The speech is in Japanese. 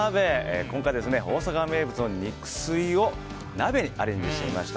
今回は大阪名物の肉吸いを鍋にアレンジしてみました。